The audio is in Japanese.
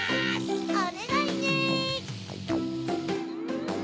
・・おねがいね！